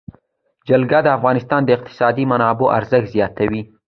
جلګه د افغانستان د اقتصادي منابعو ارزښت زیاتوي.